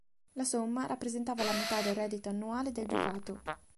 La somma rappresentava la metà del reddito annuale del Ducato.